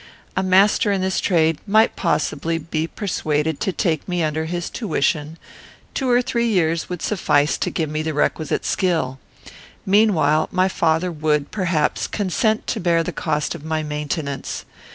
A master in this trade might possibly be persuaded to take me under his tuition; two or three years would suffice to give me the requisite skill. Meanwhile my father would, perhaps, consent to bear the cost of my maintenance.